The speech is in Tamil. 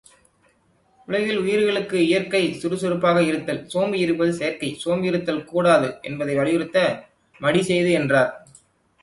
உலகில் உயிர்களுக்கு இயற்கை சுறுசுறுப்பாக இருத்தல் சோம்பியிருப்பது செயற்கை, சோம்பியிருத்தல் கூடாது என்பதை வலியுறுத்த, மடி செய்து என்றார்.